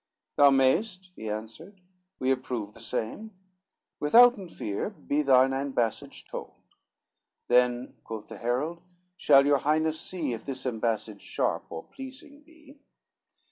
"Thou mayest," he answered, "we approve the same; Withouten fear, be thine ambassage told." "Then," quoth the herald, "shall your highness see, If this ambassage sharp or pleasing be."